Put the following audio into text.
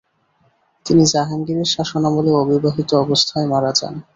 তিনি জাহাঙ্গীরের শাসনামলে অবিবাহিত অবস্থায় মারা যান।